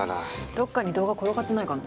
どっかに動画転がってないかな。